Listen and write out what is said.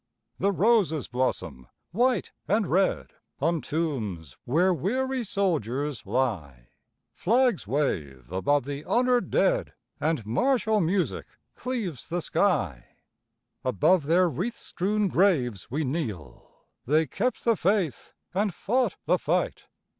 The roses blossom white and red On tombs where weary soldiers lie; Flags wave above the honored dead And martial music cleaves the sky. Above their wreath strewn graves we kneel, They kept the faith and fought the fight.